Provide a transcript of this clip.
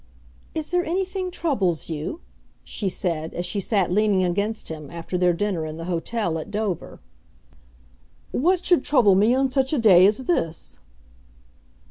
"Is there anything troubles you?" she said, as she sat leaning against him after their dinner in the hotel at Dover. "What should trouble me on such a day as this?"